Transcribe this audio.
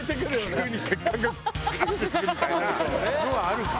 急に血管がガッてくるみたいなのはあるかもよね。